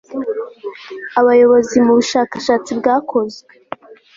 abayobozi mu bushakashatsi bwakozwe